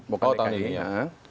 oh tahun ini ya